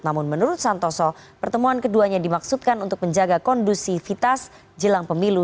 namun menurut santoso pertemuan keduanya dimaksudkan untuk menjaga kondusivitas jelang pemilu dua ribu sembilan